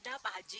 ini pirda pak haji